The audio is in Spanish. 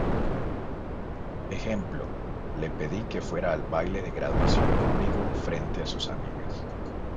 Ejemplo: "Le pedí que fuera al baile de graduación conmigo frente a sus amigas".